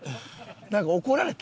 なんか怒られた？